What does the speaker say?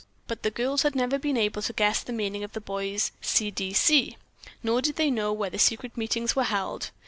But the girls had never been able to guess the meaning of the boys' "C. D. C.," nor did they know where the secret meetings were held.